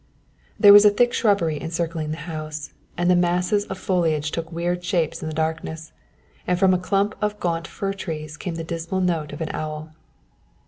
There was a thick shrubbery encircling the house, and the masses of foliage took weird shapes in the darkness, and from a clump of gaunt fir trees came the dismal note of an owl.